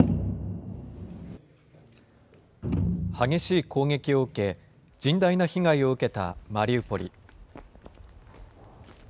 激しい攻撃を受け、甚大な被害を受けたマリウポリ。